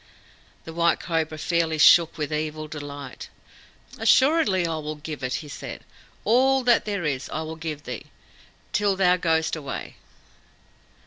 The White Cobra fairly shook with evil delight. "Assuredly I will give it," he said. "All that is here I will give thee till thou goest away."